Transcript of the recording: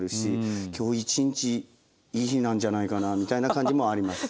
今日１日いい日なんじゃないかなみたいな感じもあります。